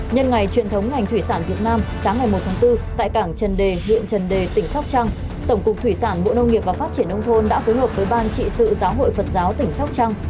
nhân ngày truyền thống ngành thủy sản việt nam sáng ngày một tháng bốn tại cảng trần đề huyện trần đề tỉnh sóc trăng tổng cục thủy sản bộ nông nghiệp và phát triển nông thôn đã phối hợp với ban trị sự giáo hội phật giáo tỉnh sóc trăng